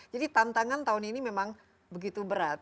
jadi tantangan tahun ini memang begitu berat